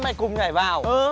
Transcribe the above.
mày bước xuống đây mà